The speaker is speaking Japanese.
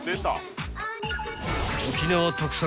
［沖縄特産